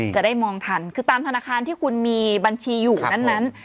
จะได้มองทันคือตามธนาคารที่คุณมีบัญชีอยู่นั้น